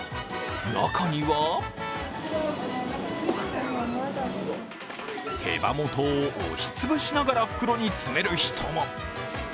中には手羽元を押しつぶしながら袋に詰める人も。